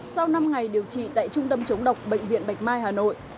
sau năm ngày điều trị tại trung tâm chống độc bệnh viện bạch mai hà nội